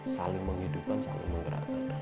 saling menghidupkan saling menggerakkan